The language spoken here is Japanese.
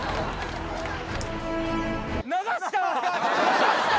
流した！